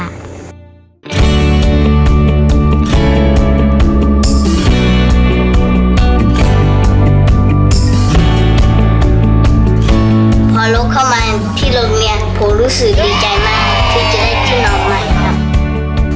พอรถเข้ามาที่รถเมียนผมรู้สึกดีใจมากเพื่อจะได้ที่นอนใหม่ครับ